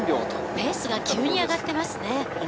ペースが急に上がってますね。